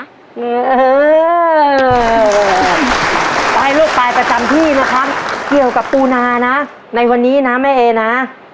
เออไปให้ลูกไปประจำที่นะครับเกี่ยวกับปูนานะในวันนี้นะแม่เอนะ